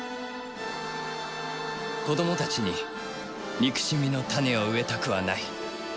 子供たちに憎しみの種を植えたくはない。